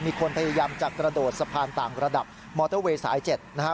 มีคนพยายามจะกระโดดสะพานต่างระดับมอเตอร์เวย์สาย๗นะฮะ